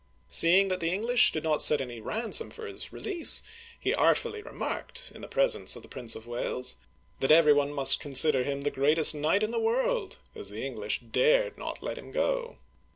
Seeing that the English did not set any ransom for his release, he artfully remarked, in the presence of the Prince of Wales, that every one must consider him the greatest knight in the world, as the English dared not let him go.